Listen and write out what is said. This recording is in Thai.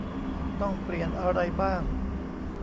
ต้องเปลี่ยนอะไรบ้าง